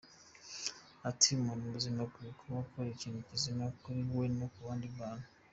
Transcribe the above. Ati “…Umuntu muzima akwiye kuba akora ikintu kizima kuri we no ku bandi bantu.